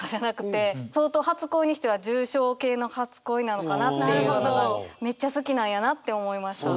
相当初恋にしては重症系の初恋なのかなっていうのがめっちゃ好きなんやなって思いました。